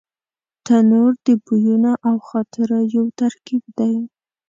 تنور د بویونو او خاطرو یو ترکیب دی